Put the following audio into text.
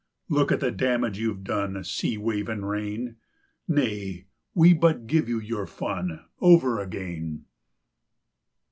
Look at the damage you've done, Sea wave and rain! "Nay, we but give you your fun Over again."